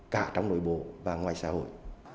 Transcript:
cả trong nội bộ và ngoài xã hội